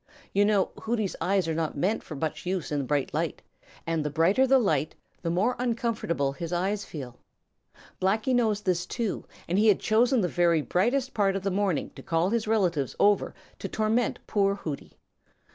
You know Hooty's eyes are not meant for much use in bright light, and the brighter the light, the more uncomfortable his eyes feel. Blacky knows this, too, and he had chosen the very brightest part of the morning to call his relatives over to torment poor Hooty.